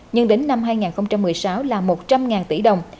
nhưng đến năm hai nghìn một mươi sáu là một trăm linh tỷ đồng